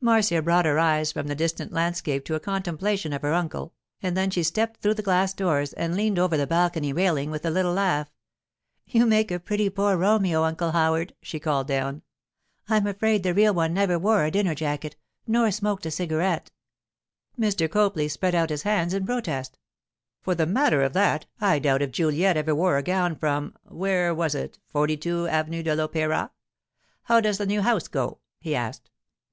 Marcia brought her eyes from the distant landscape to a contemplation of her uncle; and then she stepped through the glass doors, and leaned over the balcony railing with a little laugh. 'You make a pretty poor Romeo, Uncle Howard,' she called down. 'I'm afraid the real one never wore a dinner jacket nor smoked a cigarette.' Mr. Copley spread out his hands in protest. 'For the matter of that, I doubt if Juliet ever wore a gown from—where was it—42, Avenue de l'Opéra? How does the new house go?' he asked.